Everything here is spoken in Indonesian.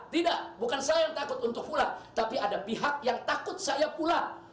tidak bukan saya yang takut untuk pulang tapi ada pihak yang takut saya pulang